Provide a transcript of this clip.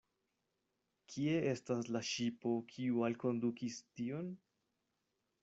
Kie estas la ŝipo, kiu alkondukis tion?